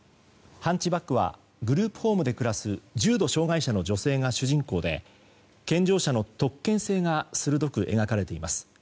「ハンチバック」はグループホームで暮らす重度障害者の女性が主人公で健常者の特権性が鋭く描かれています。